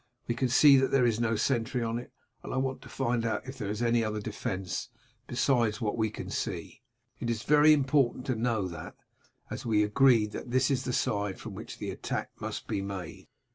We can see that there is no sentry on it, and I want to find out if there is any other defence besides what we can see. It is very important to know that, as we agreed that this is the side from which the attack must be made."